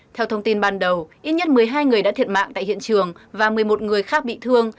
theo thông tin ban đầu ít nhất một mươi hai người đã thiệt mạng tại hiện trường và một mươi một người khác bị thương